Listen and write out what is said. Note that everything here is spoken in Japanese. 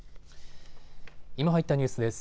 今入ったニュースです。